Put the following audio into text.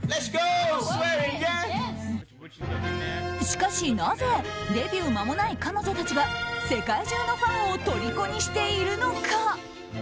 しかし、なぜデビューまもない彼女たちが世界中のファンをとりこにしているのか。